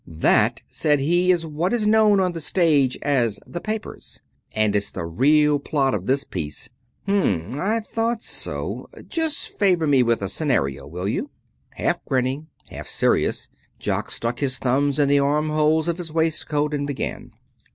"That," said he, "is what is known on the stage as 'the papers.' And it's the real plot of this piece." "M m m I thought so. Just favor me with a scenario, will you?" Half grinning, half serious, Jock stuck his thumbs in the armholes of his waistcoat, and began.